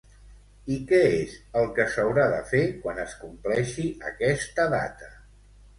I què és el que s'haurà de fer quan es compleixi aquesta data?